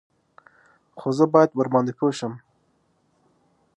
_خو زه بايد ورباندې پوه شم.